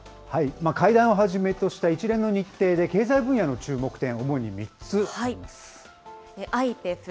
会談をはじめとした一連の日程で経済分野の注目点、主に３つあります。